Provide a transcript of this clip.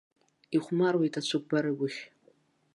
Ихәмаруеит ацәыкәбар-агәыхь.